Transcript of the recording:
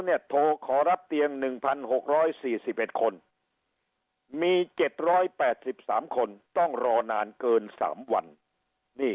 โทรขอรับเตียง๑๖๔๑คนมี๗๘๓คนต้องรอนานเกิน๓วันนี่